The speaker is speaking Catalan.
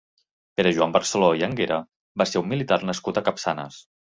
Pere Joan Barceló i Anguera va ser un militar nascut a Capçanes.